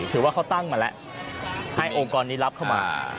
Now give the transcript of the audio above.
ถือว่าเขาตั้งมาแล้วให้องค์กรนี้รับเข้ามา